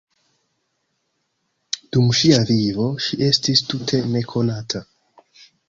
Dum ŝia vivo, ŝi estis tute nekonata.